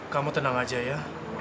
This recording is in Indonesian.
kamu tenang aja ya